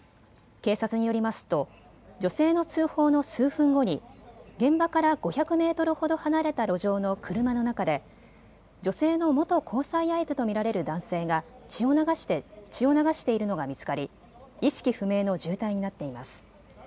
警察によりますと女性の通報の数分後に現場から５００メートルほど離れた路上の車の中で女性の元交際相手と見られる男性が血を流しているのが見つかり意識不明の重体になっています。